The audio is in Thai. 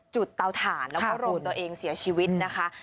เตาถ่านแล้วก็โรยตัวเองเสียชีวิตนะคะ